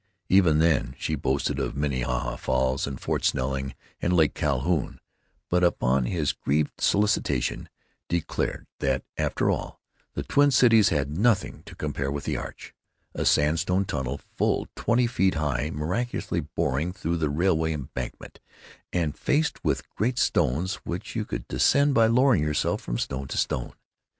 Even then she boasted of Minnehaha Falls and Fort Snelling and Lake Calhoun; but, upon his grieved solicitation, declared that, after all, the Twin Cities had nothing to compare with the Arch—a sandstone tunnel full twenty feet high, miraculously boring through the railroad embankment, and faced with great stones which you could descend by lowering yourself from stone to stone.